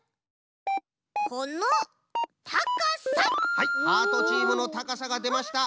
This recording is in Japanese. はいハートチームのたかさがでました。